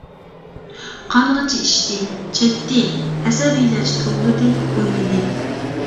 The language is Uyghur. قانغىچە ئىچتى، چەكتى، ئەسەبىيلەرچە توۋلىدى، ئوينىدى.